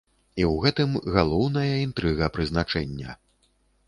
І ў гэтым галоўная інтрыга прызначэння.